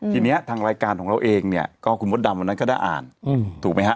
ทีนี้ทางรายการของเราเองเนี่ยก็คุณมดดำวันนั้นก็ได้อ่านถูกไหมฮะ